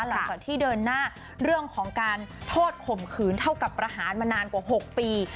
หลังจากที่เดินหน้าเรื่องของการโทษข่มขืนเท่ากับประหารมานานกว่า๖ปี